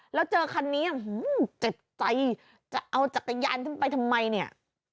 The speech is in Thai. แล้วเจอคันนี้เจ็บใจจะเอาจักรยานขึ้นไปทำไมเนี่ย